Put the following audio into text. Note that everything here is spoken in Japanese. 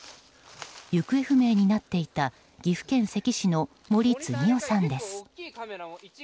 行方不明になっていた岐阜県関市の森次男さんです。